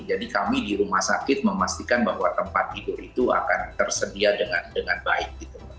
jadi kami di rumah sakit memastikan bahwa tempat tidur itu akan tersedia dengan baik gitu